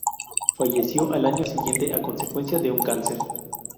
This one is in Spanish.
Falleció al año siguiente a consecuencia de un cáncer.